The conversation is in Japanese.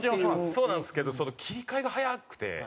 そうなんですけど切り替えが早くて。